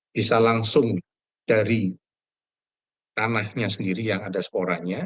bisa langsung dari tanahnya sendiri yang ada sporanya